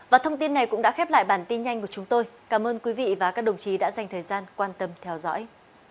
và thông tin này cũng đã khép lại bản tin nhanh của chúng tôi cảm ơn quý vị và các đồng chí đã dành thời gian quan tâm theo dõi